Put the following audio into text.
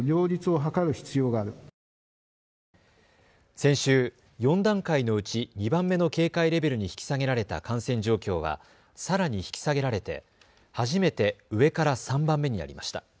先週、４段階のうち２番目の警戒レベルに引き下げられた感染状況はさらに引き下げられて初めて上から３番目になりました。